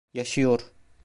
Yaşıyor.